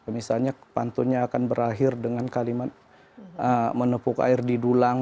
misalnya pantunnya akan berakhir dengan kalimat menepuk air di dulang